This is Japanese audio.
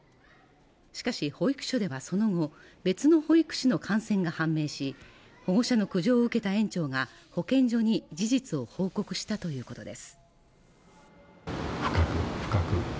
しかし保育所ではその後別の保育士の感染が判明し保護者の苦情を受けた園長が保健所に事実を報告したということです